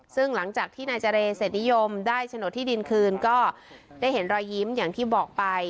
ซึ่งหลังจากที่นายเจรเสร็จนิยมได้โฉนดที่ดินคืนก็ได้เห็นรอยยิ้มอย่างที่บอกไป